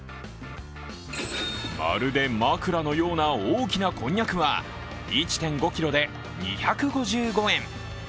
まるで枕のような大きなこんにゃくは１．５ｋｇで２５５円。